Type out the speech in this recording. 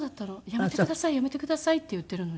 「やめてくださいやめてください」って言ってるのに。